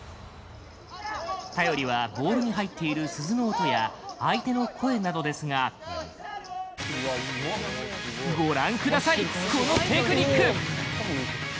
頼りはボールに入っている鈴の音や、相手の声などですがご覧ください、このテクニック！